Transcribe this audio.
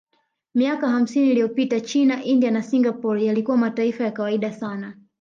Miaka hamsini iliyopita China India na Singapore yalikuwa mataifa ya kawaida sana